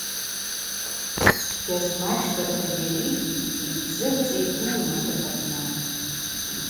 Гьазмач Батыргьари йтдзы рыцӏа йдууын акыт апны.